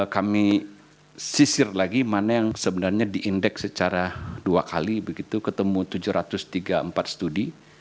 kami sisir lagi mana yang sebenarnya di indeks secara dua kali begitu ketemu tujuh ratus tiga puluh empat studi